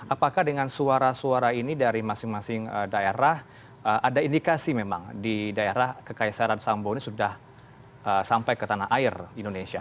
apakah dengan suara suara ini dari masing masing daerah ada indikasi memang di daerah kekaisaran sambo ini sudah sampai ke tanah air indonesia